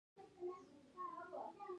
چین د کوچنیو پورونو سیسټم لري.